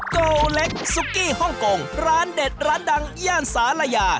โกเล็กซุกี้ฮ่องกงร้านเด็ดร้านดังย่านสาลายา